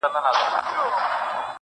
ځه خير دی تر سهاره به ه گوزاره وي~